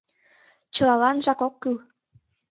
— Чылаланжак ок кӱл.